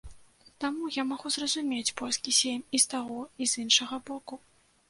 Таму я магу зразумець польскі сейм і з таго, і з іншага боку.